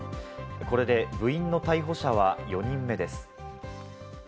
これで部員の逮捕者は４人目です。